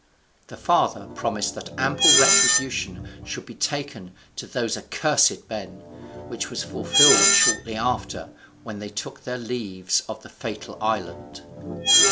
The father promised that ample retribution should be taken of those accursed men: which was fulfilled shortly after, when they took their leaves of the fatal island.